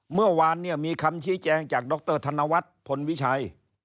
เมื่อวานเนี่ยมีคำชี้แจงจากดรธนวัฒน์พลวิชัย